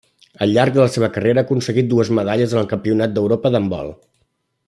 Al llarg de la seva carrera ha aconseguit dues medalles en el Campionat d'Europa d'handbol.